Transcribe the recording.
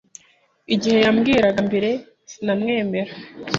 Igihe yambwiraga bwa mbere, sinamwemera.